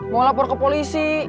mau lapor ke polisi